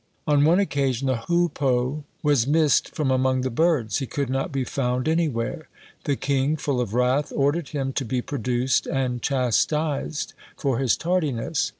On one occasion the hoopoe (39) was missed from among the birds. He could not be found anywhere. The king, full of wrath, ordered him to be produced and chastised for his tardiness.